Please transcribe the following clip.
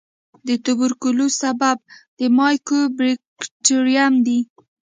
د توبرکلوس سبب مایکوبیکټریم دی.